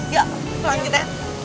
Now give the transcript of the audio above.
yuk pulang kita ya